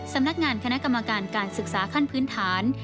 สำนักงานคณะกรรมการการศึกษาขั้นพื้นฐาน